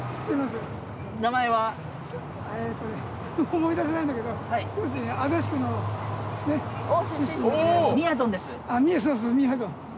思い出せないんだけど要するに。